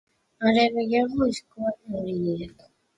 Are gehiago, eskualde horiek.